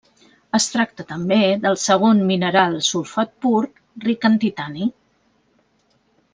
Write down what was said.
Es tracta també del segon mineral sulfat pur ric en titani.